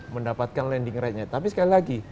mendapatkan landing rate nya tapi sekali lagi